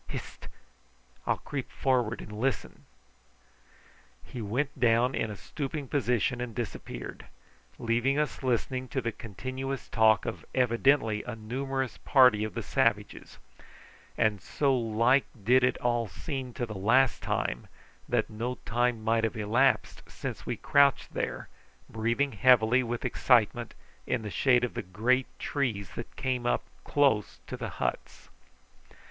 Hist! I'll creep forward and listen." He went down in a stooping position and disappeared, leaving us listening to the continuous talk of evidently a numerous party of the savages; and so like did it all seem to the last time, that no time might have elapsed since we crouched there, breathing heavily with excitement in the shade of the great trees that came close up to the huts.